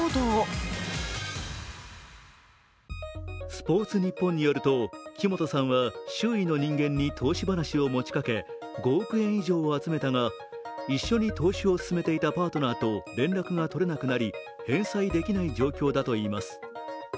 スポーツニッポンによると木本さんは周囲の人間に投資話を持ちかけ５億円以上を集めたが、一緒に投資を進めていたパートナーと連絡が取れなくなり、返済できない状況だといいます。